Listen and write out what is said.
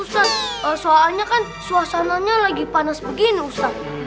iya ustadz mendingan es jeruk ustadz soalnya kan suasananya lagi panas begini ustadz